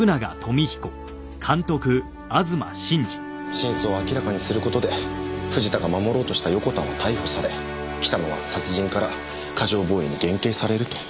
真相を明らかにする事で藤田が守ろうとした横田は逮捕され北野は殺人から過剰防衛に減刑されると。